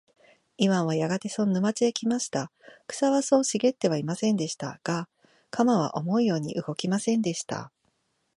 イワンはやがてその沼地へ来ました。草はそう茂ってはいませんでした。が、鎌は思うように動きませんでした。